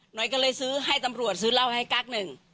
หน่อยก็เลยซื้อให้ตำรวจซื้อเหล้าให้กั๊กหนึ่ง